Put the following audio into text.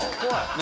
何？